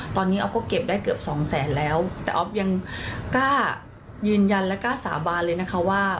ตอนนี้ออฟก็เก็บได้เกือบสองแสนแล้วแต่ออฟยังกล้ายืนยันและกล้าสาบานเลยนะคะว่า